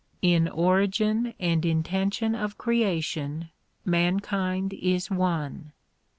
In origin and intention of creation mankind is one.